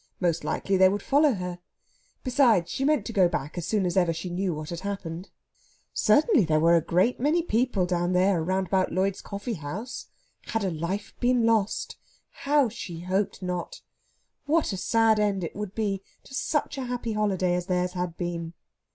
Most likely they would follow her. Besides, she meant to go back as soon as ever she knew what had happened. Certainly there were a great many people down there round about Lloyd's Coffeehouse! Had a life been lost? How she hoped not! What a sad end it would be to such a happy holiday as theirs had been!